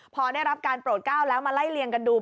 พอได้รับการโปรดก้าวแล้วมาไล่เลี่ยงกันดู